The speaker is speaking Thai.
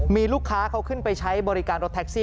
มีลูกค้าเขาขึ้นไปใช้บริการรถแท็กซี่